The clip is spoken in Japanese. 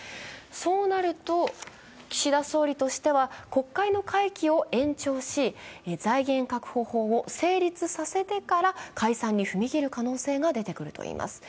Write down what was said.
そうなると、岸田総理としては国会の会期を延長し、財源確保法を成立させてから解散に踏み切る可能性が出てくるといいます。